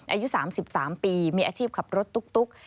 อายุ๓๓ปีมีอาชีพขับรถตุ๊ก